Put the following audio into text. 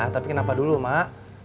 tapi kenapa dulu mak